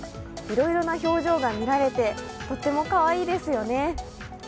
いろいろな表情がみられてとってもかわいいですよね。